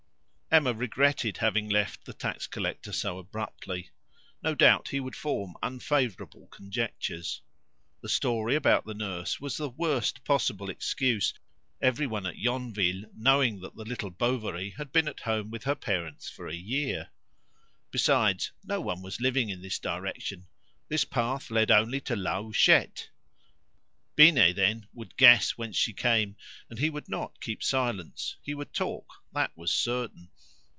Emma regretted having left the tax collector so abruptly. No doubt he would form unfavourable conjectures. The story about the nurse was the worst possible excuse, everyone at Yonville knowing that the little Bovary had been at home with her parents for a year. Besides, no one was living in this direction; this path led only to La Huchette. Binet, then, would guess whence she came, and he would not keep silence; he would talk, that was certain.